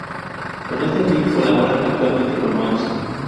Con este fin colaboran actualmente con Mons.